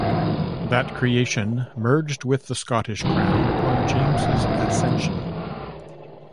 That creation merged with the Scottish crown upon James's ascension.